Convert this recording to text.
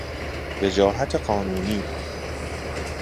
وجاهت قانونی